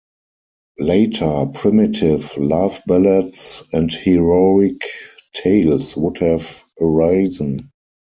Later, primitive love ballads and heroic tales would have arisen.